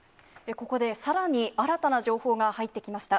ここで、さらに新たな情報が入ってきました。